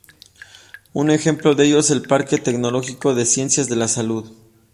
Un ejemplo de ello es el Parque Tecnológico de Ciencias de la Salud.